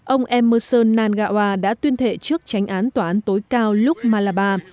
ông emerson nangawa đã tuyên thệ trước tránh án tòa án tối cao lúc malabar